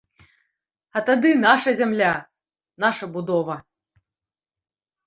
А тады наша зямля, наша будова!